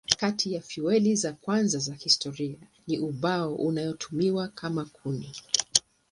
Kati ya fueli za kwanza za historia ni ubao inayotumiwa kama kuni.